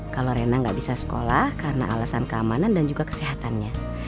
kalau rena nggak bisa sekolah karena alasan keamanan dan juga kesehatannya